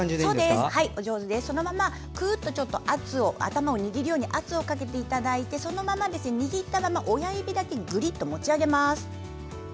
そのままぐっと頭を握るように圧をかけていただいてそのまま、親指だけぐりっと持ち上げます。